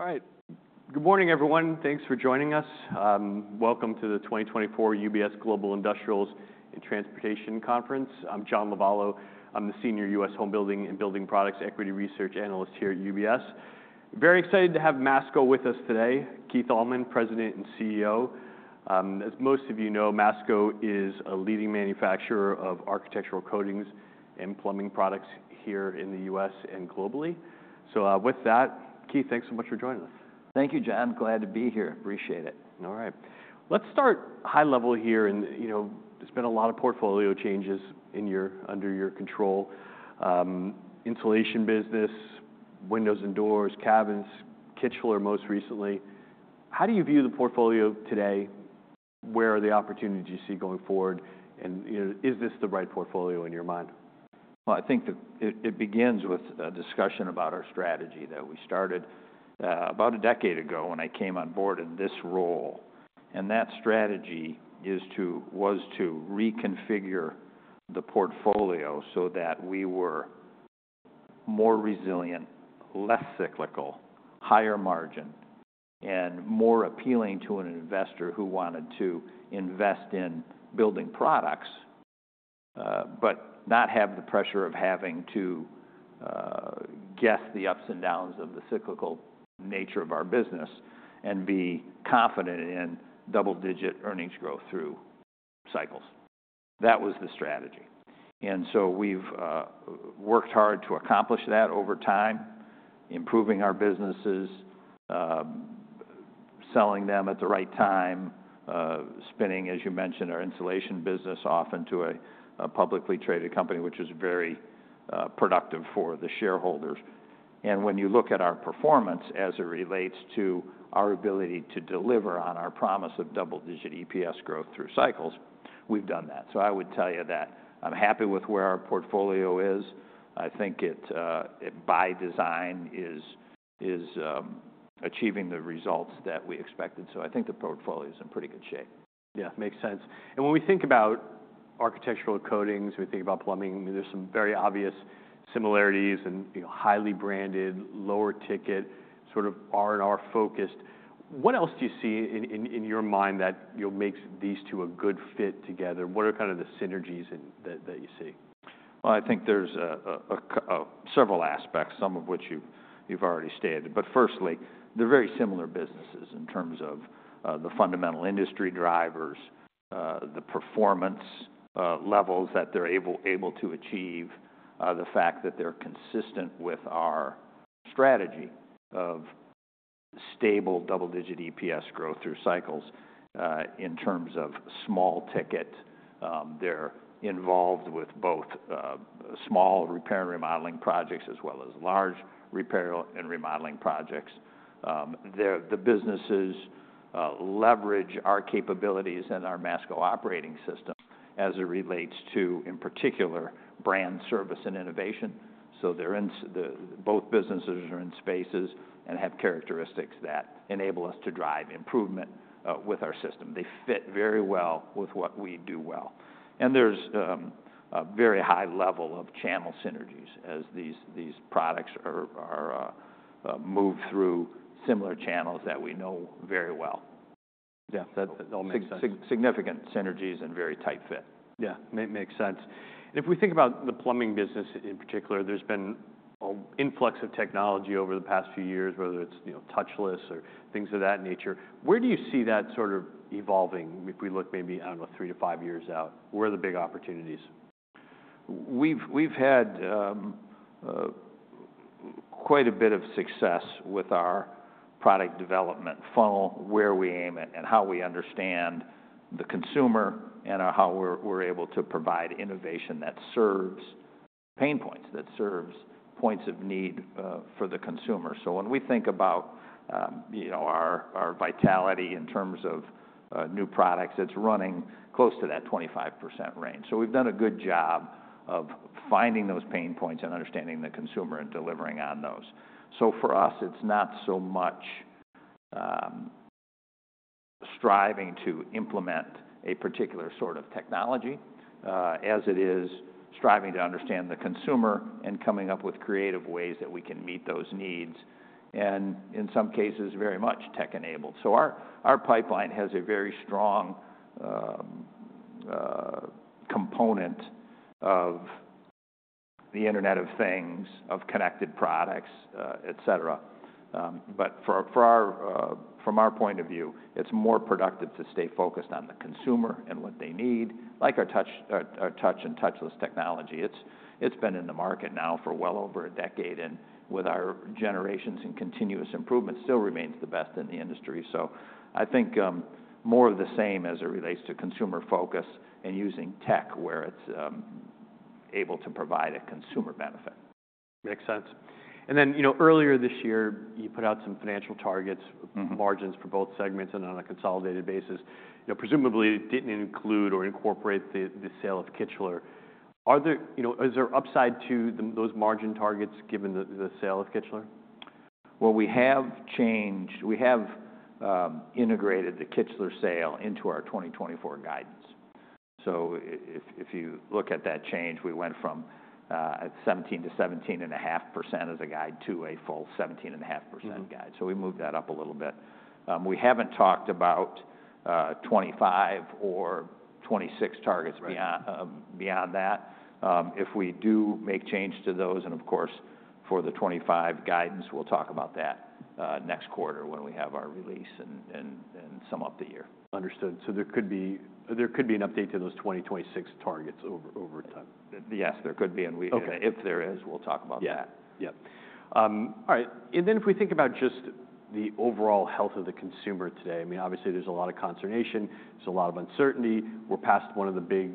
All right. Good morning, everyone. Thanks for joining us. Welcome to the 2024 UBS Global Industrials and Transportation Conference. I'm John Lovallo. I'm the Senior U.S. Home Building and Building Products Equity Research Analyst here at UBS. Very excited to have Masco with us today, Keith Allman, President and CEO. As most of you know, Masco is a leading manufacturer of architectural coatings and plumbing products here in the U.S. and globally. So, with that, Keith, thanks so much for joining us. Thank you, John. Glad to be here. Appreciate it. All right. Let's start high level here. And, you know, there's been a lot of portfolio changes in your, under your control. Insulation business, windows and doors, cabinets, kitchen, most recently. How do you view the portfolio today? Where are the opportunities you see going forward? And, you know, is this the right portfolio in your mind? I think that it begins with a discussion about our strategy that we started about a decade ago when I came on board in this role. That strategy is to, was to reconfigure the portfolio so that we were more resilient, less cyclical, higher margin, and more appealing to an investor who wanted to invest in building products, but not have the pressure of having to guess the ups and downs of the cyclical nature of our business and be confident in double-digit earnings growth through cycles. That was the strategy. We've worked hard to accomplish that over time, improving our businesses, selling them at the right time, spinning, as you mentioned, our insulation business off into a publicly traded company, which is very productive for the shareholders. When you look at our performance as it relates to our ability to deliver on our promise of double-digit EPS growth through cycles, we've done that. I would tell you that I'm happy with where our portfolio is. I think it, by design, is achieving the results that we expected. I think the portfolio is in pretty good shape. Yeah, makes sense. And when we think about architectural coatings, we think about plumbing. I mean, there's some very obvious similarities and, you know, highly branded, lower ticket, sort of R&R focused. What else do you see in your mind that, you know, makes these two a good fit together? What are kind of the synergies in that you see? I think there are several aspects, some of which you've already stated, but firstly, they're very similar businesses in terms of the fundamental industry drivers, the performance levels that they're able to achieve, the fact that they're consistent with our strategy of stable double-digit EPS growth through cycles, in terms of small ticket. They're involved with both small repair and remodeling projects as well as large repair and remodeling projects. The businesses leverage our capabilities and our Masco Operating System as it relates to, in particular, brand service and innovation. Both businesses are in spaces and have characteristics that enable us to drive improvement with our system. They fit very well with what we do well. There's a very high level of channel synergies as these products are moved through similar channels that we know very well. Yeah, that all makes sense. Significant synergies and very tight fit. Yeah, makes sense. And if we think about the plumbing business in particular, there's been an influx of technology over the past few years, whether it's, you know, touchless or things of that nature. Where do you see that sort of evolving if we look maybe, I don't know, three to five years out? Where are the big opportunities? We've had quite a bit of success with our product development funnel, where we aim at and how we understand the consumer and how we're able to provide innovation that serves pain points, that serves points of need, for the consumer. So when we think about, you know, our vitality in terms of new products, it's running close to that 25% range. So we've done a good job of finding those pain points and understanding the consumer and delivering on those. So for us, it's not so much striving to implement a particular sort of technology, as it is striving to understand the consumer and coming up with creative ways that we can meet those needs. And in some cases, very much tech-enabled. So our pipeline has a very strong component of the Internet of Things, of connected products, et cetera. But from our point of view, it's more productive to stay focused on the consumer and what they need, like our touch and touchless technology. It's been in the market now for well over a decade. And with our generations and continuous improvement, still remains the best in the industry. So I think more of the same as it relates to consumer focus and using tech where it's able to provide a consumer benefit. Makes sense. And then, you know, earlier this year, you put out some financial targets. Mm-hmm. Margins for both segments and on a consolidated basis. You know, presumably it didn't include or incorporate the, the sale of Kichler. Are there, you know, is there upside to those margin targets given the, the sale of Kichler? We have changed. We have integrated the Kichler sale into our 2024 guidance. If you look at that change, we went from 17%-17.5% guide to a full 17.5% guide. We moved that up a little bit. We haven't talked about 2025 or 2026 targets beyond that. If we do make change to those, and of course, for the 2025 guidance, we'll talk about that next quarter when we have our release and sum up the year. Understood. There could be an update to those 2026 targets over time. Yes, there could be, and we. Okay. If there is, we'll talk about that. Yeah. Yeah. All right. And then, if we think about just the overall health of the consumer today, I mean, obviously there's a lot of consternation. There's a lot of uncertainty. We're past one of the big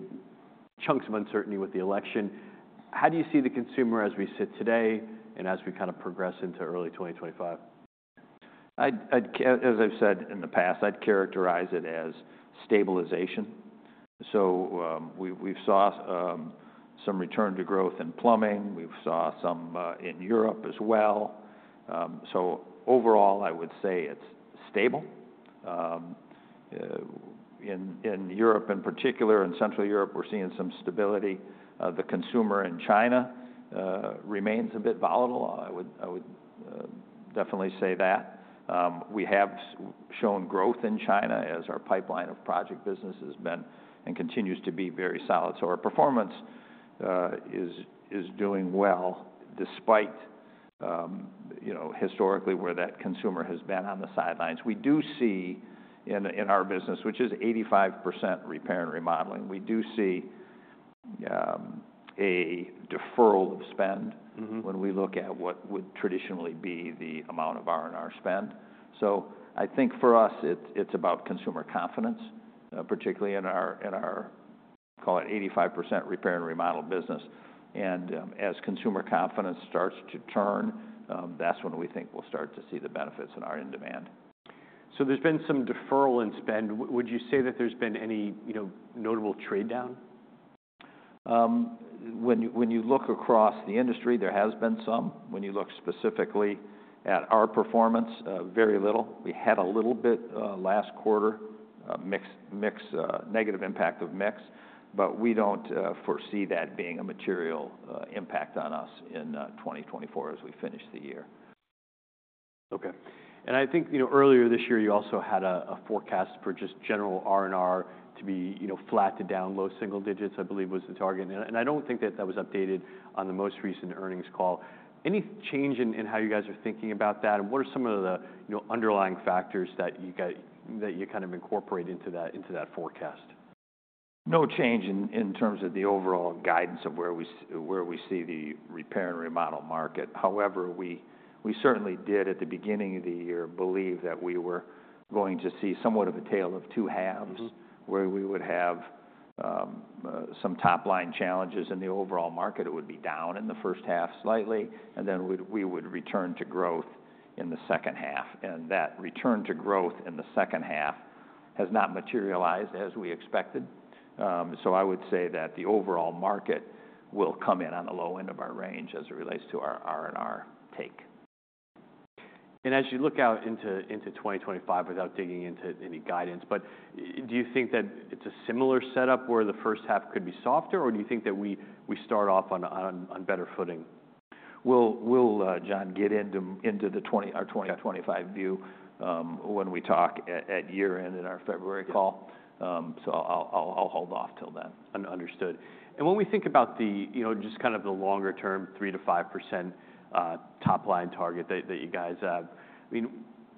chunks of uncertainty with the election. How do you see the consumer as we sit today and as we kind of progress into early 2025? As I've said in the past, I'd characterize it as stabilization, so we've saw some return to growth in plumbing. We've saw some in Europe as well, so overall, I would say it's stable. In Europe in particular, in Central Europe, we're seeing some stability. The consumer in China remains a bit volatile. I would definitely say that. We have shown growth in China as our pipeline of project business has been and continues to be very solid, so our performance is doing well despite you know historically where that consumer has been on the sidelines. We do see in our business, which is 85% repair and remodeling, a deferral of spend. Mm-hmm. When we look at what would traditionally be the amount of R&R spend. So I think for us, it's about consumer confidence, particularly in our call it 85% repair and remodel business. As consumer confidence starts to turn, that's when we think we'll start to see the benefits in our end demand. So there's been some deferral in spend. Would you say that there's been any, you know, notable trade down? When you look across the industry, there has been some. When you look specifically at our performance, very little. We had a little bit last quarter, negative impact of mix. But we don't foresee that being a material impact on us in 2024 as we finish the year. Okay. And I think, you know, earlier this year, you also had a forecast for just general R&R to be, you know, flat to down, low single digits, I believe was the target. And I don't think that was updated on the most recent earnings call. Any change in how you guys are thinking about that? And what are some of the, you know, underlying factors that you guys that you kind of incorporate into that forecast? No change in terms of the overall guidance of where we see the repair and remodel market. However, we certainly did at the beginning of the year believe that we were going to see somewhat of a tale of two halves. Mm-hmm. Where we would have some top line challenges in the overall market. It would be down in the first half slightly. And then we would return to growth in the second half. And that return to growth in the second half has not materialized as we expected. So I would say that the overall market will come in on the low end of our range as it relates to our R&R take. As you look out into 2025 without digging into any guidance, but do you think that it's a similar setup where the first half could be softer, or do you think that we start off on better footing? We'll, John, get into our 2025 view, when we talk at year end in our February call. Okay. So I'll hold off till then. Understood. And when we think about the, you know, just kind of the longer term, 3%-5% top line target that you guys have, I mean,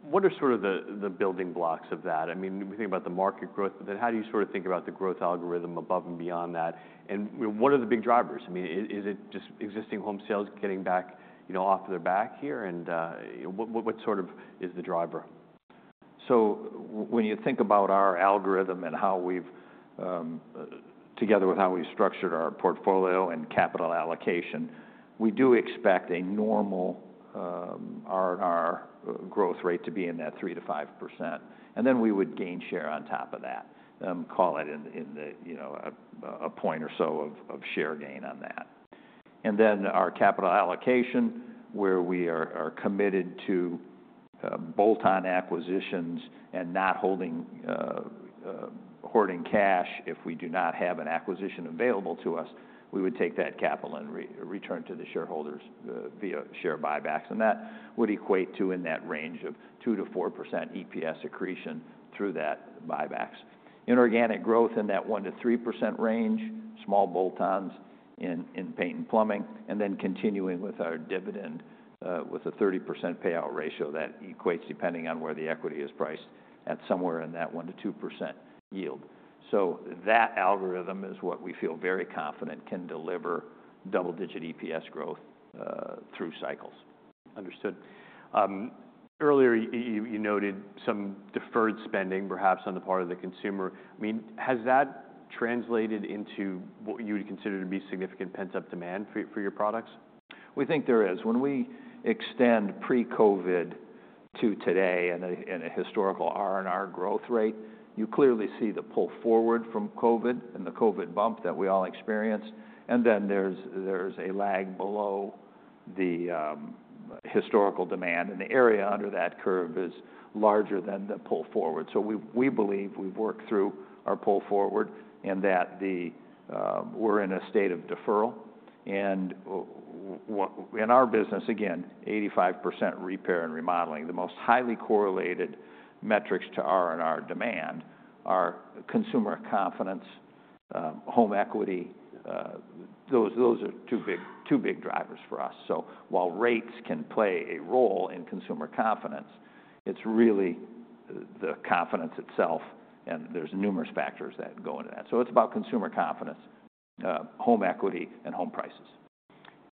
what are sort of the building blocks of that? I mean, we think about the market growth, but then how do you sort of think about the growth algorithm above and beyond that? And, you know, what are the big drivers? I mean, is it just existing home sales getting back, you know, off their back here? And, what sort of is the driver? So when you think about our algorithm and how we've together with how we structured our portfolio and capital allocation, we do expect a normal R&R growth rate to be in that 3%-5%. And then we would gain share on top of that, call it in the, you know, a point or so of share gain on that. And then our capital allocation, where we are committed to bolt-on acquisitions and not hoarding cash if we do not have an acquisition available to us, we would take that capital and return to the shareholders via share buybacks. And that would equate to in that range of 2%-4% EPS accretion through that buybacks. Inorganic growth in that 1%-3% range, small bolt-ons in paint and plumbing. Then continuing with our dividend, with a 30% payout ratio that equates, depending on where the equity is priced, at somewhere in that 1%-2% yield. That algorithm is what we feel very confident can deliver double-digit EPS growth through cycles. Understood. Earlier, you noted some deferred spending perhaps on the part of the consumer. I mean, has that translated into what you would consider to be significant pent-up demand for your products? We think there is. When we extend pre-COVID to today and a historical R&R growth rate, you clearly see the pull forward from COVID and the COVID bump that we all experienced. And then there's a lag below the historical demand. And the area under that curve is larger than the pull forward. So we believe we've worked through our pull forward in that we're in a state of deferral. And what in our business, again, 85% repair and remodeling, the most highly correlated metrics to R&R demand are consumer confidence, home equity. Those are two big drivers for us. So while rates can play a role in consumer confidence, it's really the confidence itself. And there's numerous factors that go into that. So it's about consumer confidence, home equity, and home prices.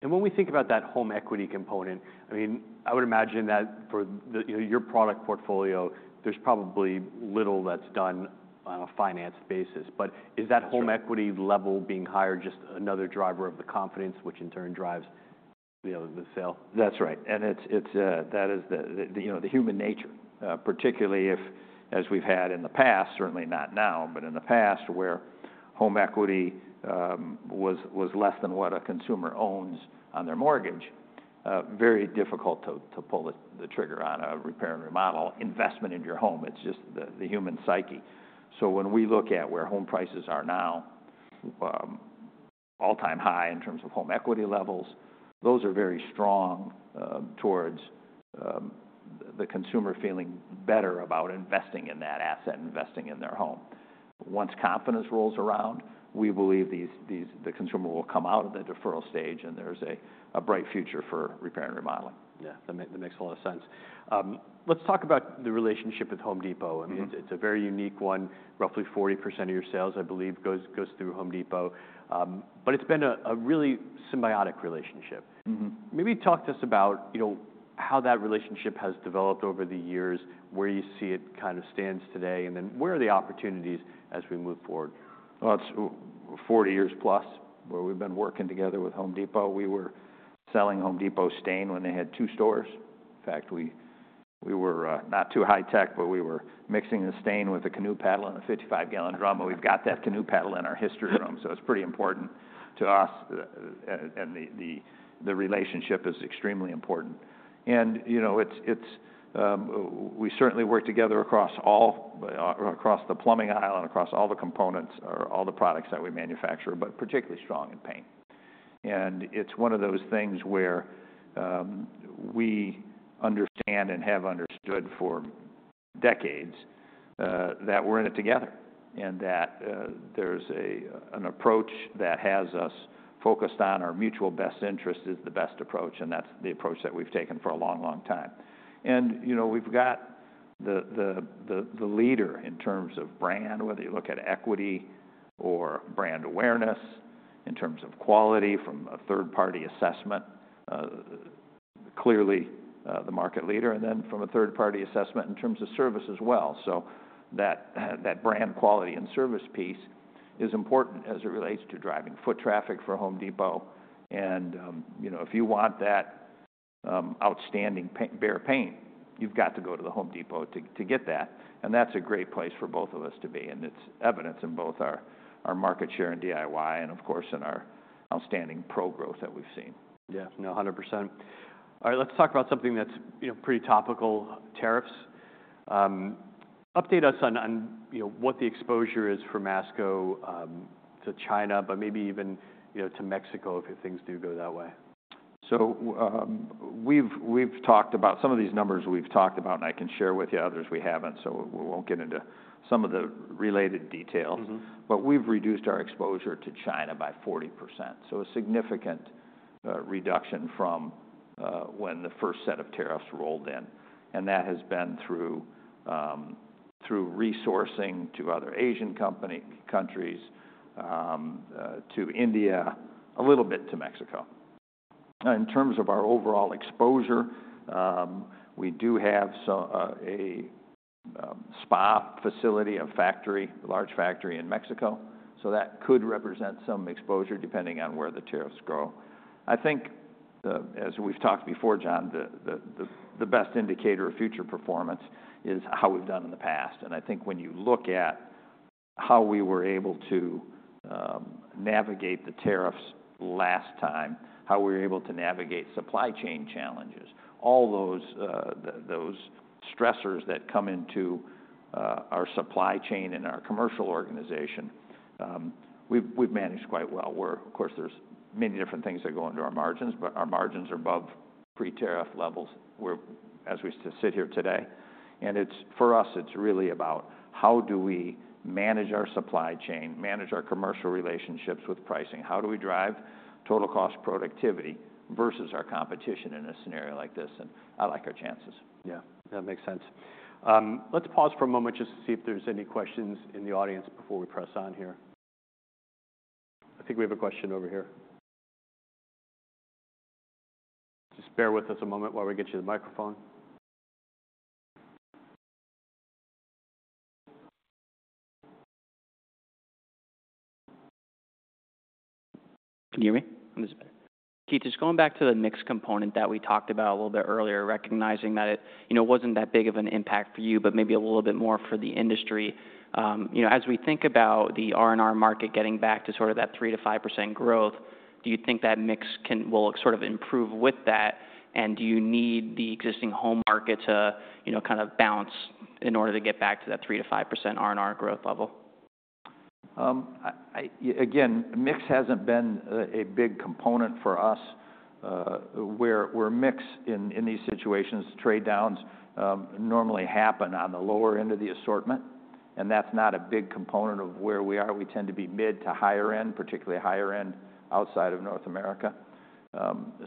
When we think about that home equity component, I mean, I would imagine that for the, you know, your product portfolio, there's probably little that's done on a financed basis. But is that home equity level being higher just another driver of the confidence, which in turn drives, you know, the sale? That's right. And it's that is the, you know, the human nature, particularly if, as we've had in the past, certainly not now, but in the past, where home equity was less than what a consumer owns on their mortgage, very difficult to pull the trigger on a repair and remodel investment in your home. It's just the human psyche. So when we look at where home prices are now, all-time high in terms of home equity levels, those are very strong towards the consumer feeling better about investing in that asset, investing in their home. Once confidence rolls around, we believe the consumer will come out of the deferral stage and there's a bright future for repair and remodeling. Yeah. That makes a lot of sense. Let's talk about the relationship with Home Depot. I mean, it's a very unique one. Roughly 40% of your sales, I believe, goes through Home Depot. But it's been a really symbiotic relationship. Mm-hmm. Maybe talk to us about, you know, how that relationship has developed over the years, where you see it kind of stands today, and then where are the opportunities as we move forward? It's 40 years plus where we've been working together with Home Depot. We were selling Home Depot stain when they had two stores. In fact, we were not too high tech, but we were mixing the stain with a canoe paddle in a 55 gallon drum. And we've got that canoe paddle in our history room. So it's pretty important to us. And the relationship is extremely important. And, you know, it's we certainly work together across all the plumbing aisle and across all the components or all the products that we manufacture, but particularly strong in paint. And it's one of those things where we understand and have understood for decades, that we're in it together and that there's an approach that has us focused on our mutual best interest is the best approach. That's the approach that we've taken for a long, long time. You know, we've got the leader in terms of brand, whether you look at equity or brand awareness in terms of quality from a third-party assessment, clearly, the market leader, and then from a third-party assessment in terms of service as well. That brand quality and service piece is important as it relates to driving foot traffic for Home Depot. You know, if you want that outstanding paint, Behr paint, you've got to go to the Home Depot to get that. That's a great place for both of us to be. It's evidence in both our market share and DIY, and of course, in our outstanding pro growth that we've seen. Yeah. No, 100%. All right. Let's talk about something that's, you know, pretty topical, tariffs. Update us on, you know, what the exposure is for Masco to China, but maybe even, you know, to Mexico if things do go that way. So, we've talked about some of these numbers we've talked about, and I can share with you others we haven't. So we won't get into some of the related details. Mm-hmm. But we've reduced our exposure to China by 40%. So a significant reduction from when the first set of tariffs rolled in. And that has been through resourcing to other Asian countries, to India, a little bit to Mexico. In terms of our overall exposure, we do have a spa facility, a large factory in Mexico. So that could represent some exposure depending on where the tariffs go. I think, as we've talked before, John, the best indicator of future performance is how we've done in the past. And I think when you look at how we were able to navigate the tariffs last time, how we were able to navigate supply chain challenges, all those stressors that come into our supply chain and our commercial organization, we've managed quite well. Where, of course, there's many different things that go into our margins, but our margins are above pre-tariff levels, as we sit here today, and it's, for us, it's really about how do we manage our supply chain, manage our commercial relationships with pricing, how do we drive Total Cost Productivity versus our competition in a scenario like this, and I like our chances. Yeah. That makes sense. Let's pause for a moment just to see if there's any questions in the audience before we press on here. I think we have a question over here. Just bear with us a moment while we get you the microphone. Can you hear me? I'm just better. Keith, just going back to the mix component that we talked about a little bit earlier, recognizing that it, you know, wasn't that big of an impact for you, but maybe a little bit more for the industry. You know, as we think about the R&R market getting back to sort of that 3%-5% growth, do you think that mix will sort of improve with that? And do you need the existing home market to, you know, kind of balance in order to get back to that 3%-5% R&R growth level? Again, mix hasn't been a big component for us. Where mix in these situations, trade downs normally happen on the lower end of the assortment. And that's not a big component of where we are. We tend to be mid to higher end, particularly higher end outside of North America.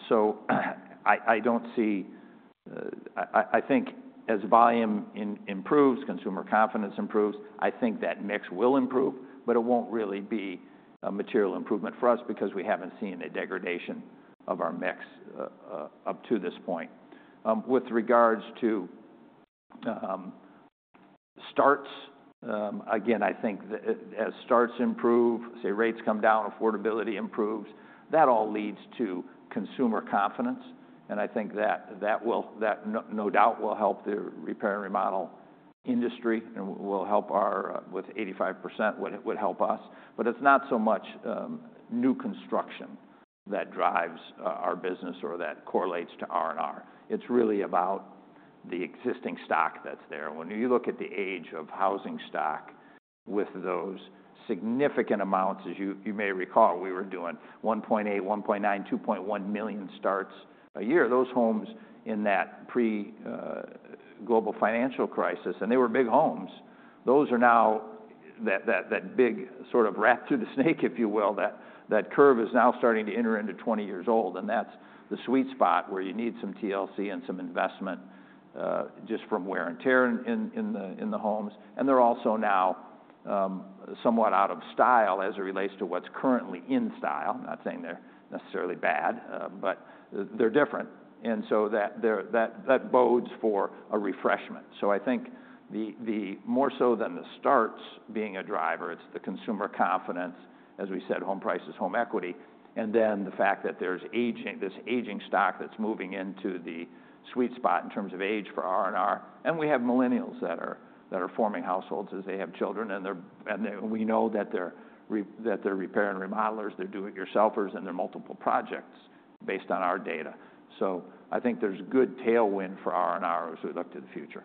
So I don't see. I think as volume improves, consumer confidence improves, I think that mix will improve, but it won't really be a material improvement for us because we haven't seen a degradation of our mix up to this point. With regards to starts, again, I think that as starts improve, say rates come down, affordability improves, that all leads to consumer confidence. And I think that will no doubt help the repair and remodel industry and will help us with 85%, what it would help us. But it's not so much new construction that drives our business or that correlates to R&R. It's really about the existing stock that's there. When you look at the age of housing stock with those significant amounts, as you may recall, we were doing 1.8, 1.9, 2.1 million starts a year. Those homes in that pre-global financial crisis, and they were big homes. Those are now that big sort of rat through the snake, if you will, that curve is now starting to enter into 20 years old. And that's the sweet spot where you need some TLC and some investment, just from wear and tear in the homes. And they're also now somewhat out of style as it relates to what's currently in style. I'm not saying they're necessarily bad, but they're different. And so that bodes for a refreshment. So I think the more so than the starts being a driver, it's the consumer confidence, as we said, home prices, home equity, and then the fact that there's this aging stock that's moving into the sweet spot in terms of age for R&R. And we have millennials that are forming households as they have children. And they're, and we know that they're repair and remodelers, they're do-it-yourselfers, and they're multiple projects based on our data. So I think there's good tailwind for R&R as we look to the future.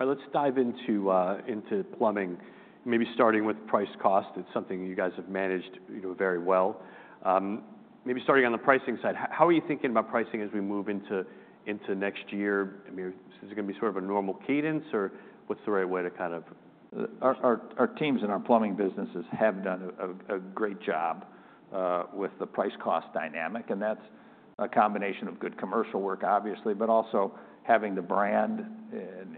All right. Let's dive into plumbing, maybe starting with price cost. It's something you guys have managed, you know, very well. Maybe starting on the pricing side, how are you thinking about pricing as we move into next year? I mean, is it going to be sort of a normal cadence or what's the right way to kind of. Our teams in our plumbing businesses have done a great job with the price cost dynamic. And that's a combination of good commercial work, obviously, but also having the brand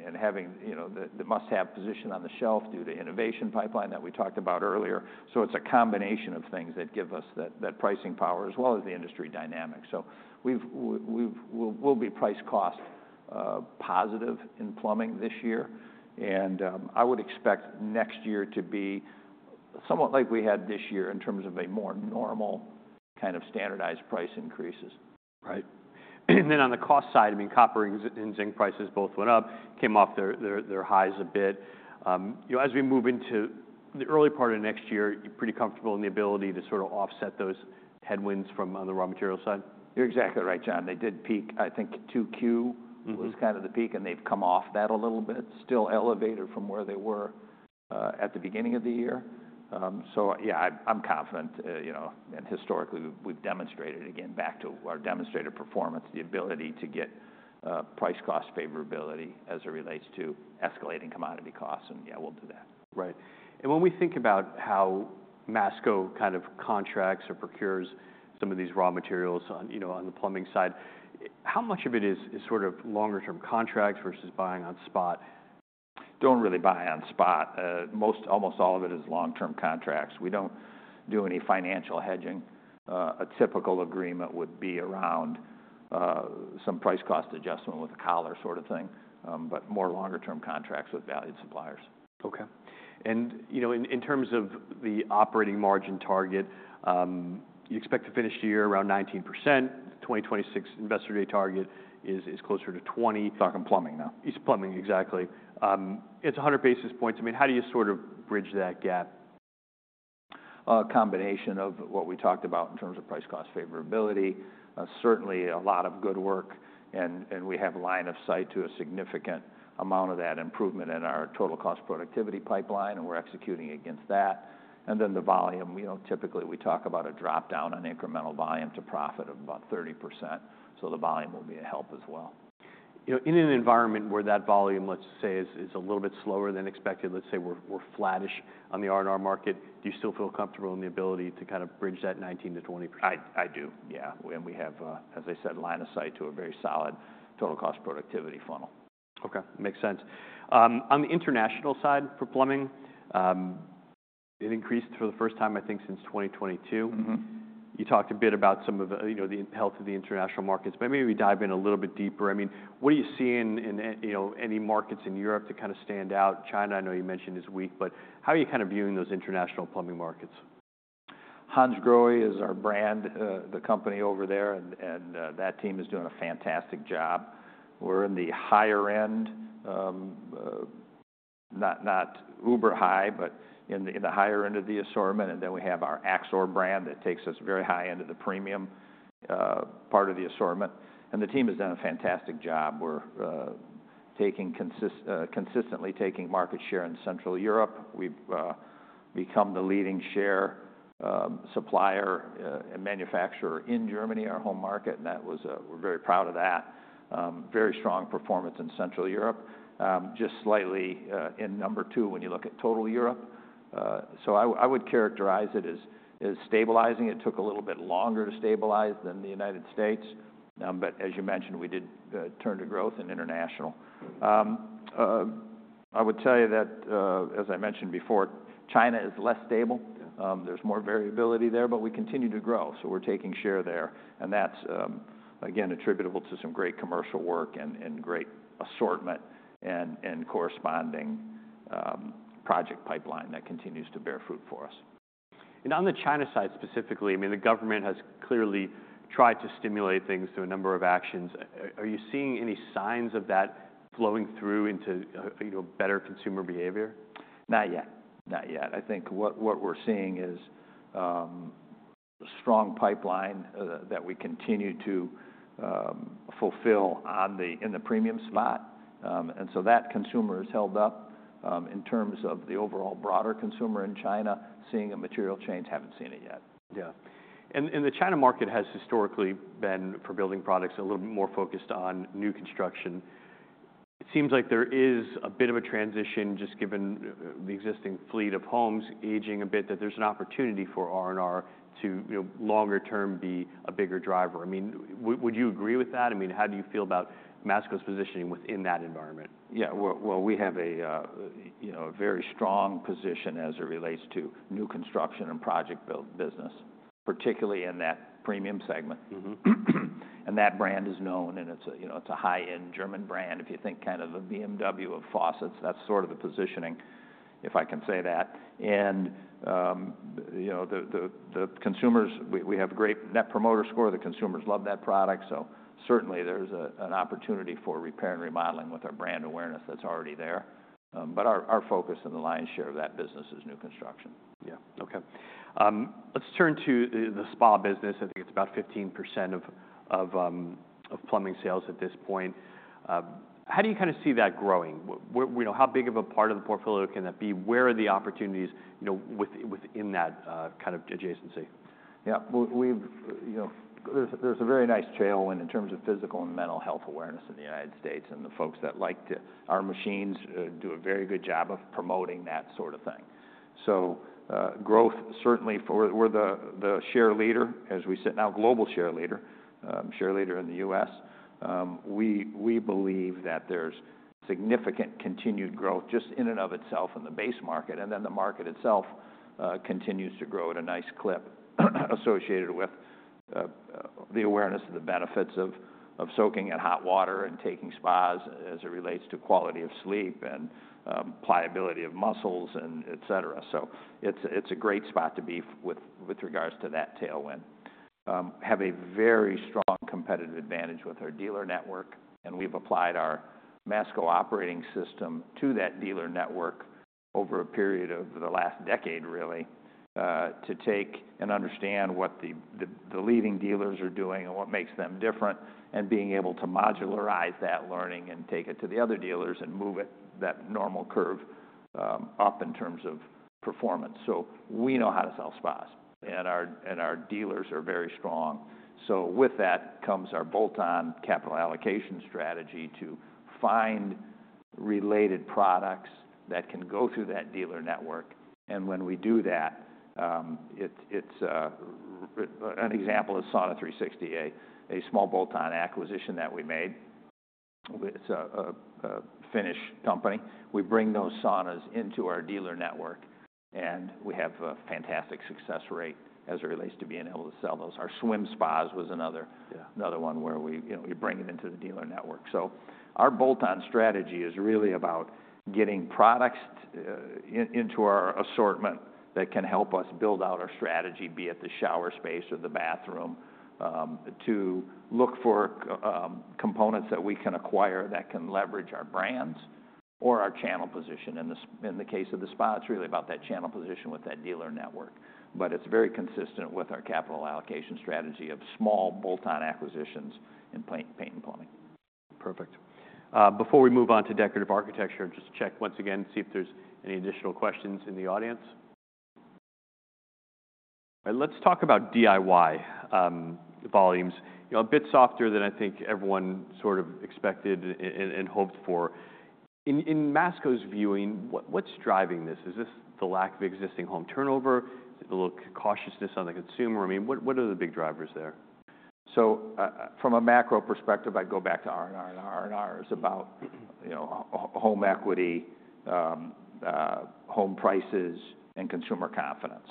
and having, you know, the must-have position on the shelf due to innovation pipeline that we talked about earlier. So it's a combination of things that give us that pricing power as well as the industry dynamic. So we'll be price cost positive in plumbing this year. And I would expect next year to be somewhat like we had this year in terms of a more normal kind of standardized price increases. Right. And then on the cost side, I mean, copper and zinc prices both went up, came off their highs a bit. You know, as we move into the early part of next year, you're pretty comfortable in the ability to sort of offset those headwinds from on the raw material side? You're exactly right, John. They did peak. I think 2Q was kind of the peak, and they've come off that a little bit, still elevated from where they were at the beginning of the year. So yeah, I'm confident, you know, and historically we've demonstrated again back to our demonstrated performance the ability to get price cost favorability as it relates to escalating commodity costs. And yeah, we'll do that. Right, and when we think about how Masco kind of contracts or procures some of these raw materials on, you know, on the plumbing side, how much of it is sort of longer-term contracts versus buying on spot? Don't really buy on spot. Most, almost all of it is long-term contracts. We don't do any financial hedging. A typical agreement would be around, some price cost adjustment with a collar sort of thing, but more longer-term contracts with valued suppliers. Okay. And, you know, in terms of the operating margin target, you expect to finish the year around 19%. 2026 investor day target is closer to 20%. Talking plumbing now. That's plumbing, exactly. It's 100 basis points. I mean, how do you sort of bridge that gap? Combination of what we talked about in terms of price cost favorability. Certainly a lot of good work. And we have a line of sight to a significant amount of that improvement in our total cost productivity pipeline, and we're executing against that. And then the volume, you know, typically we talk about a drop down on incremental volume to profit of about 30%. So the volume will be a help as well. You know, in an environment where that volume, let's say, is a little bit slower than expected, let's say we're flattish on the R&R market, do you still feel comfortable in the ability to kind of bridge that 19%-20%? I do. Yeah, and we have, as I said, line of sight to a very solid Total Cost Productivity funnel. Okay. Makes sense. On the international side for plumbing, it increased for the first time, I think, since 2022. Mm-hmm. You talked a bit about some of, you know, the health of the international markets, but maybe we dive in a little bit deeper. I mean, what are you seeing in, you know, any markets in Europe to kind of stand out? China, I know you mentioned is weak, but how are you kind of viewing those international plumbing markets? Hansgrohe is our brand, the company over there, and that team is doing a fantastic job. We're in the higher end, not uber high, but in the higher end of the assortment and then we have our AXOR brand that takes us very high into the premium part of the assortment. The team has done a fantastic job. We're consistently taking market share in Central Europe. We've become the leading share supplier and manufacturer in Germany, our home market and that, we're very proud of that. Very strong performance in Central Europe, just slightly in number two when you look at total Europe, so I would characterize it as stabilizing. It took a little bit longer to stabilize than the United States, but as you mentioned, we did turn to growth in international. I would tell you that, as I mentioned before, China is less stable. There's more variability there, but we continue to grow, so we're taking share there, and that's again attributable to some great commercial work and great assortment and corresponding project pipeline that continues to bear fruit for us. On the China side specifically, I mean, the government has clearly tried to stimulate things through a number of actions. Are you seeing any signs of that flowing through into, you know, better consumer behavior? Not yet. Not yet. I think what, what we're seeing is a strong pipeline that we continue to fulfill on the, in the premium spot, and so that consumer is held up in terms of the overall broader consumer in China seeing a material change. Haven't seen it yet. Yeah. And the China market has historically been for building products a little bit more focused on new construction. It seems like there is a bit of a transition just given the existing fleet of homes aging a bit, that there's an opportunity for R&R to, you know, longer term be a bigger driver. I mean, would you agree with that? I mean, how do you feel about Masco's positioning within that environment? Yeah. Well, we have, you know, a very strong position as it relates to new construction and project build business, particularly in that premium segment. Mm-hmm. And that brand is known, and it's a, you know, it's a high-end German brand. If you think kind of a BMW of faucets, that's sort of the positioning, if I can say that. And, you know, the consumers. We have great Net Promoter Score. The consumers love that product. So certainly there's an opportunity for repair and remodeling with our brand awareness that's already there. But our focus and the lion's share of that business is new construction. Yeah. Okay. Let's turn to the spa business. I think it's about 15% of plumbing sales at this point. How do you kind of see that growing? What, you know, how big of a part of the portfolio can that be? Where are the opportunities, you know, within that kind of adjacency? Yeah. We've, you know, there's a very nice trail in terms of physical and mental health awareness in the United States. And the folks that like to, our machines, do a very good job of promoting that sort of thing. So, growth certainly. We're the share leader as we sit now, global share leader, share leader in the US. We believe that there's significant continued growth just in and of itself in the base market. And then the market itself continues to grow at a nice clip associated with the awareness of the benefits of soaking in hot water and taking spas as it relates to quality of sleep and pliability of muscles and et cetera. So it's a great spot to be with regards to that tailwind. We have a very strong competitive advantage with our dealer network. And we've applied our Masco Operating System to that dealer network over a period of the last decade, really, to take and understand what the leading dealers are doing and what makes them different and being able to modularize that learning and take it to the other dealers and move it that normal curve up in terms of performance. So we know how to sell spas. And our dealers are very strong. So with that comes our bolt-on capital allocation strategy to find related products that can go through that dealer network. And when we do that, it's an example is Sauna360, a small bolt-on acquisition that we made. It's a Finnish company. We bring those saunas into our dealer network, and we have a fantastic success rate as it relates to being able to sell those. Our swim spas was another one where we, you know, we bring it into the dealer network. So our bolt-on strategy is really about getting products into our assortment that can help us build out our strategy, be it the shower space or the bathroom, to look for components that we can acquire that can leverage our brands or our channel position. In the case of the spa, it's really about that channel position with that dealer network. But it's very consistent with our capital allocation strategy of small bolt-on acquisitions in paint and plumbing. Perfect. Before we move on to decorative architecture, just check once again to see if there's any additional questions in the audience. All right. Let's talk about DIY volumes. You know, a bit softer than I think everyone sort of expected and hoped for. In Masco's view, what's driving this? Is this the lack of existing home turnover? Is it a little cautiousness on the consumer? I mean, what are the big drivers there? So, from a macro perspective, I'd go back to R&R. And R&R is about, you know, home equity, home prices and consumer confidence.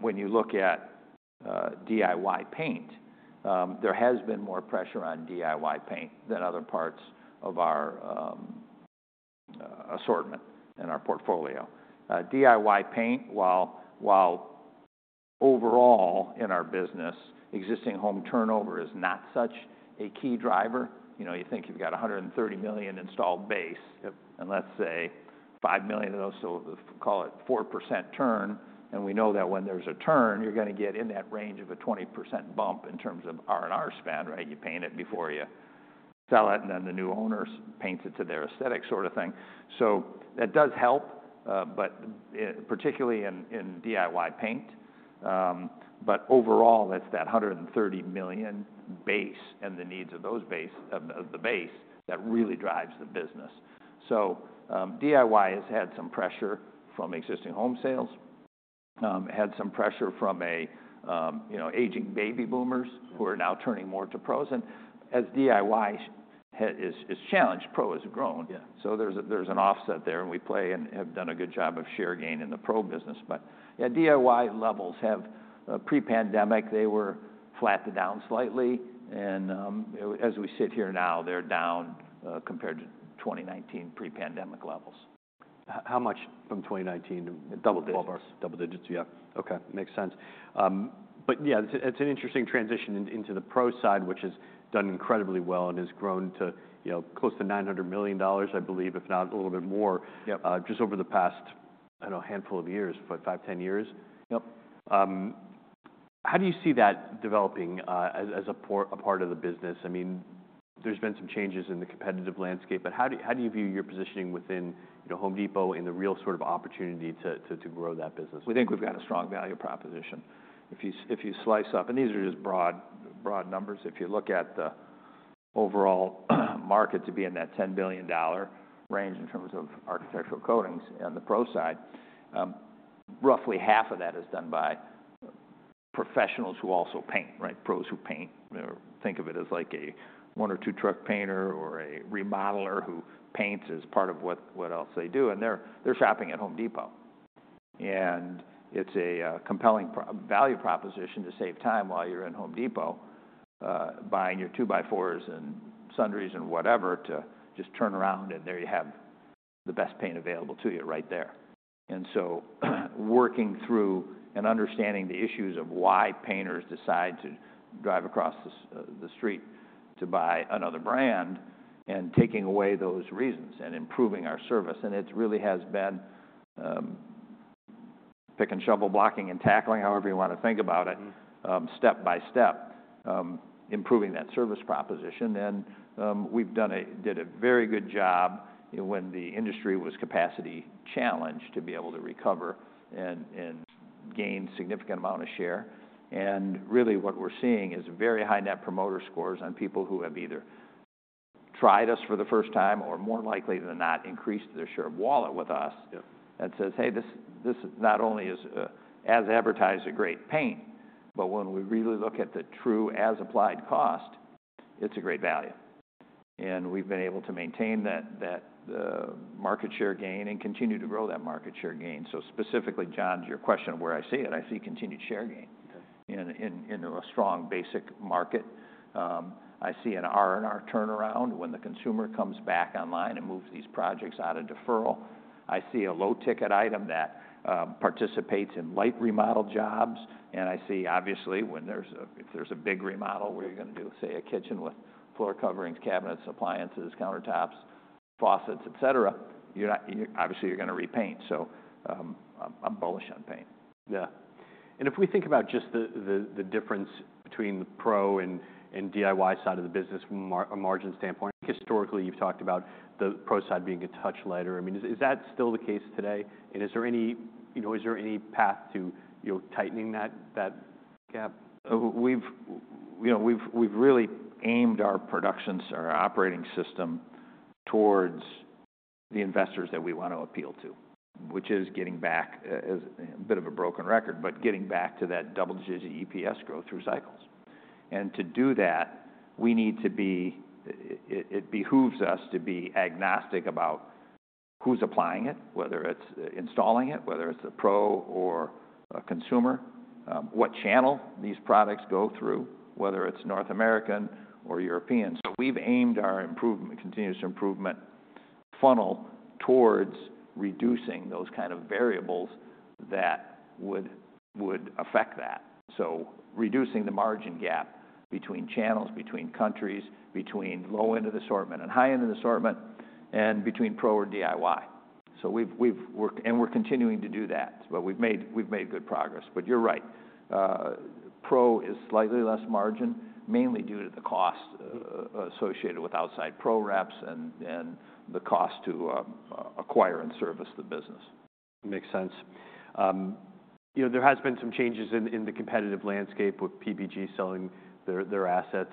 When you look at DIY paint, there has been more pressure on DIY paint than other parts of our assortment and our portfolio. DIY paint, while overall in our business, existing home turnover is not such a key driver. You know, you think you've got 130 million installed base, and let's say five million of those, so call it 4% turn. And we know that when there's a turn, you're going to get in that range of a 20% bump in terms of R&R spend, right? You paint it before you sell it, and then the new owner paints it to their aesthetic sort of thing. So that does help, but particularly in DIY paint. But overall, that's the 130 million base and the needs of that base that really drives the business. So, DIY has had some pressure from existing home sales. It had some pressure from a, you know, aging baby boomers who are now turning more to pros. And as DIY is challenged, pro has grown. Yeah. There's an offset there. We play and have done a good job of share gain in the pro business. Yeah, DIY levels have, pre-pandemic, they were flat to down slightly. As we sit here now, they're down compared to 2019 pre-pandemic levels. How much from 2019? Double digits. Double digits. Yeah. Okay. Makes sense, but yeah, it's an interesting transition into the pro side, which has done incredibly well and has grown to, you know, close to $900 million, I believe, if not a little bit more. Yep. Just over the past, I don't know, handful of years, but five, ten years. Yep. How do you see that developing, as a part of the business? I mean, there's been some changes in the competitive landscape, but how do you view your positioning within, you know, Home Depot in the real sort of opportunity to grow that business? We think we've got a strong value proposition. If you slice up, and these are just broad numbers. If you look at the overall market to be in that $10 billion range in terms of architectural coatings and the pro side, roughly half of that is done by professionals who also paint, right? Pros who paint, you know, think of it as like a one or two truck painter or a remodeler who paints as part of what else they do. And they're shopping at Home Depot. And it's a compelling pro value proposition to save time while you're in Home Depot, buying your two by fours and sundries and whatever to just turn around, and there you have the best paint available to you right there. And so working through and understanding the issues of why painters decide to drive across the street to buy another brand and taking away those reasons and improving our service. And it really has been pick and shovel, blocking and tackling, however you want to think about it, step by step, improving that service proposition. And we did a very good job, you know, when the industry was capacity challenged to be able to recover and gain significant amount of share. And really what we're seeing is very high Net Promoter scores on people who have either tried us for the first time or more likely than not increased their share of wallet with us. Yep. And says, "Hey, this not only is, as advertised, a great paint, but when we really look at the true as applied cost, it's a great value." And we've been able to maintain that market share gain and continue to grow that market share gain. So specifically, John, to your question of where I see it, I see continued share gain. Okay. In a strong basic market. I see an R&R turnaround when the consumer comes back online and moves these projects out of deferral. I see a low ticket item that participates in light remodel jobs, and I see, obviously, when, if there's a big remodel where you're going to do, say, a kitchen with floor coverings, cabinets, appliances, countertops, faucets, et cetera, you're obviously going to repaint. So, I'm bullish on paint. Yeah. And if we think about just the difference between the pro and DIY side of the business from a margin standpoint, historically, you've talked about the pro side being a touch lighter. I mean, is that still the case today? And is there any, you know, path to, you know, tightening that gap? We've, you know, really aimed our productions or our operating system towards the investors that we want to appeal to, which is getting back, as a bit of a broken record, but getting back to that double digit EPS growth through cycles, and to do that, it behooves us to be agnostic about who's applying it, whether it's installing it, whether it's a pro or a consumer, what channel these products go through, whether it's North American or European, so we've aimed our improvement, continuous improvement funnel towards reducing those kind of variables that would affect that, so reducing the margin gap between channels, between countries, between low end of the assortment and high end of the assortment, and between pro or DIY, so we've worked, and we're continuing to do that, but we've made good progress. But you're right. Pro is slightly less margin, mainly due to the cost associated with outside pro reps and the cost to acquire and service the business. Makes sense. You know, there has been some changes in the competitive landscape with PPG selling their assets.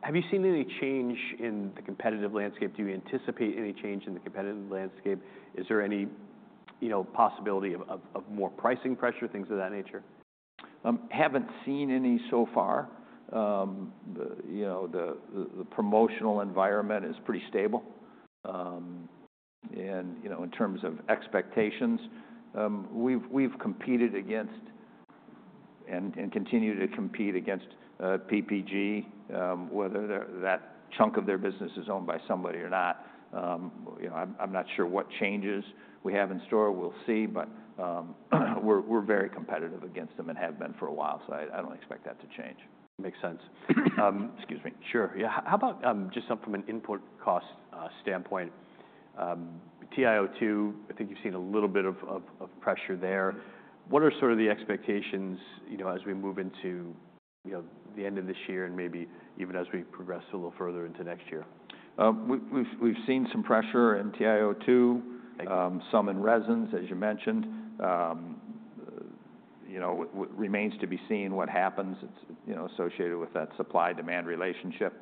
Have you seen any change in the competitive landscape? Do you anticipate any change in the competitive landscape? Is there any, you know, possibility of more pricing pressure, things of that nature? Haven't seen any so far. You know, the promotional environment is pretty stable, and you know, in terms of expectations, we've competed against and continue to compete against PPG, whether that chunk of their business is owned by somebody or not. You know, I'm not sure what changes we have in store. We'll see, but we're very competitive against them and have been for a while, so I don't expect that to change. Makes sense. Excuse me. Sure. Yeah. How about, just something from an input cost standpoint? TiO2, I think you've seen a little bit of pressure there. What are sort of the expectations, you know, as we move into, you know, the end of this year and maybe even as we progress a little further into next year? We've seen some pressure in TiO2. Thank you. Some in resins, as you mentioned. You know, what remains to be seen what happens. It's, you know, associated with that supply-demand relationship.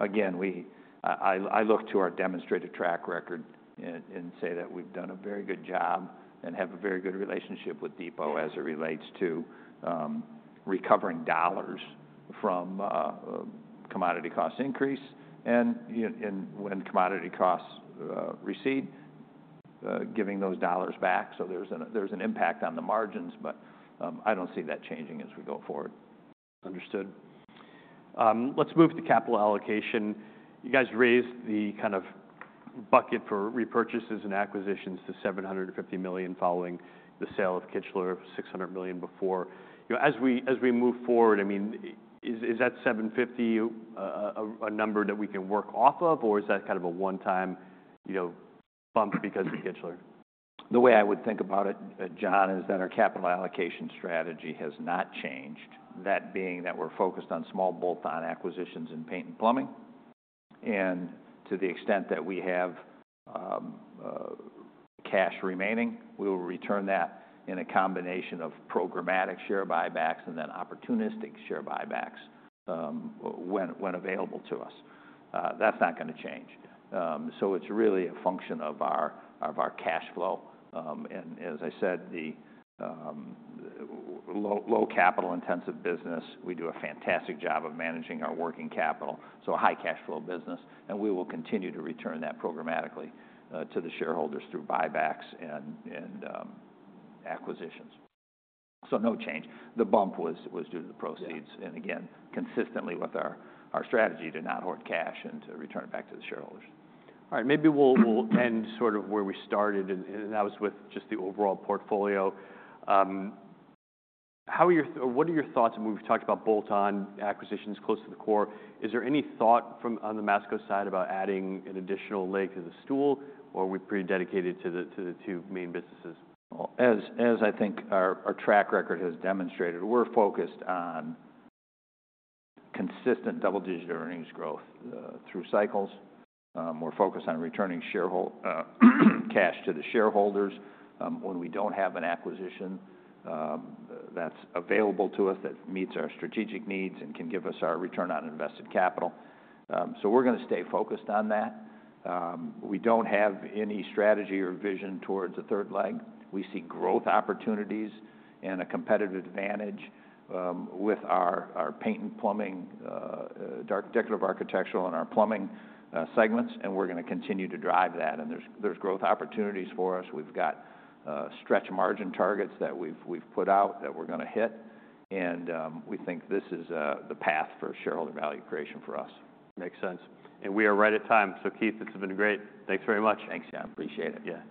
Again, I look to our demonstrated track record and say that we've done a very good job and have a very good relationship with Depot as it relates to recovering dollars from commodity cost increase and, you know, and when commodity costs recede, giving those dollars back. So there's an impact on the margins, but I don't see that changing as we go forward. Understood. Let's move to capital allocation. You guys raised the kind of bucket for repurchases and acquisitions to $750 million following the sale of Kichler, $600 million before. You know, as we move forward, I mean, is that $750 a number that we can work off of, or is that kind of a one-time, you know, bump because of Kichler? The way I would think about it, John, is that our capital allocation strategy has not changed, that being that we're focused on small bolt-on acquisitions in paint and plumbing. And to the extent that we have cash remaining, we will return that in a combination of programmatic share buybacks and then opportunistic share buybacks, when available to us. That's not going to change. So it's really a function of our cash flow. And as I said, the low capital intensive business, we do a fantastic job of managing our working capital. So a high cash flow business. And we will continue to return that programmatically to the shareholders through buybacks and acquisitions. So no change. The bump was due to the proceeds. And again, consistently with our strategy to not hoard cash and to return it back to the shareholders. All right. Maybe we'll end sort of where we started and that was with just the overall portfolio. What are your thoughts? We've talked about bolt-on acquisitions close to the core. Is there any thought from the Masco side about adding an additional leg to the stool, or are we pretty dedicated to the two main businesses? As I think our track record has demonstrated, we're focused on consistent double digit earnings growth through cycles. We're focused on returning shareholder cash to the shareholders when we don't have an acquisition that's available to us that meets our strategic needs and can give us our return on invested capital, so we're going to stay focused on that. We don't have any strategy or vision towards a third leg. We see growth opportunities and a competitive advantage with our paint and plumbing, Delta, our architectural and our plumbing segments, and we're going to continue to drive that, and there's growth opportunities for us. We've got stretch margin targets that we've put out that we're going to hit, and we think this is the path for shareholder value creation for us. Makes sense. And we are right at time. So, Keith, this has been great. Thanks very much. Thanks, John. Appreciate it. Yeah.